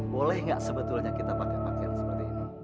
boleh nggak sebetulnya kita pakai pakaian seperti ini